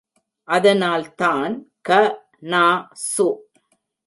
அதனால் தான் க.நா.சு.